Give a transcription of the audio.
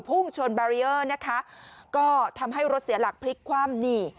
พุ่งชนบารีเออร์นะคะก็ทำให้รถเสียหลักพลิกคว่ำนี่